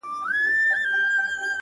له پامیر تر هریروده